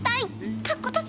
かっことじ。